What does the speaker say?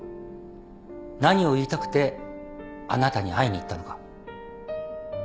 何を言いたくてあなたに会いに行ったのか。